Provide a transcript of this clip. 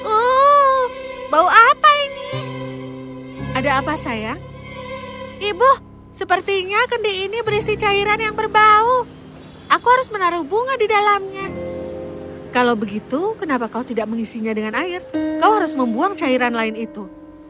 oh bau apa ini ada apa sayang ibu sepertinya kendi ini berisi cairan yang berbau aku harus menaruh bunga di dalamnya kalau begitu kenapa kau tidak mengisinya dengan air kau harus membuang cairan lain itu